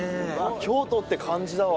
「京都って感じだわ